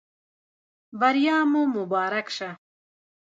بریا مو مبارک شه